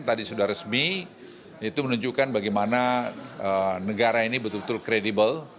tadi sudah resmi itu menunjukkan bagaimana negara ini betul betul kredibel